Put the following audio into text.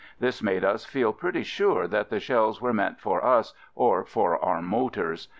This made us feel pretty sure that the shells were meant for us or for our motors.